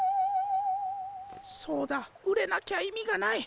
そうだ売れなきゃ意味がない。